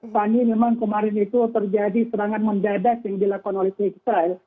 fani memang kemarin itu terjadi serangan mendadak yang dilakukan oleh pihak israel